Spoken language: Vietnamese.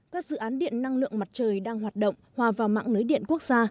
các dự án điện năng lượng mặt trời đang hoạt động hòa vào mạng lưới điện quốc gia